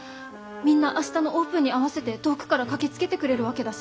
みんな明日のオープンに合わせて遠くから駆けつけてくれるわけだし。